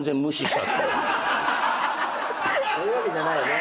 そういうわけじゃないよね。